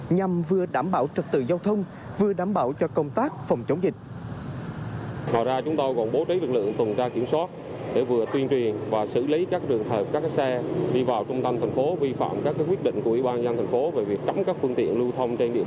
nhằm vừa đảm bảo trật tự giao thông vừa đảm bảo cho công tác phòng chống dịch